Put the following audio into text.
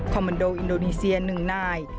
มมันโดอินโดนีเซีย๑นาย